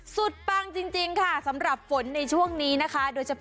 สุดปังจริงค่ะสำหรับฝนในช่วงนี้นะคะ